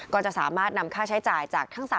ก็จะสามารถนำค่าใช้จ่ายจากทั้ง๓